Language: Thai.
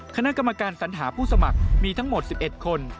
คณะกรรมการสัญหาผู้สมัครมีทั้งหมด๑๑คน